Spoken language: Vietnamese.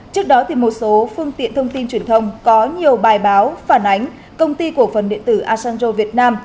trước đó một số phương tiện thông tin truyền thông có nhiều bài báo phản ánh công ty cổ phần điện tử asanjo việt nam